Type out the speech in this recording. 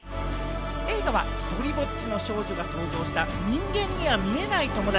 映画は１人ぼっちの少女が想像した人間には見えない友達。